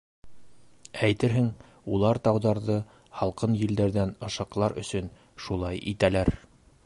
Әйтерһең, улар тауҙарҙы һалҡын елдәрҙән ышыҡлар өсөн шулай итәләр.